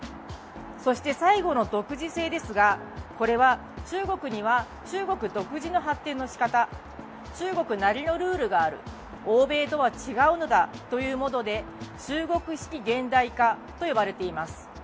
そして最後の独自性ですが、これは中国には中国独自の発展の仕方、中国なりのルールがある、欧米とは違うのだというもので、中国式現代化と呼ばれています。